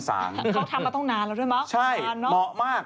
เขาทำมาต้องนานแล้วด้วยมั้ยค่ะน้อง